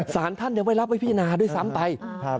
สารท่านยังไม่รับไว้พิจารณาด้วยซ้ำไป